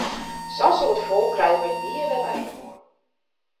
Sa'n soad folk krije wy nea wer byinoar!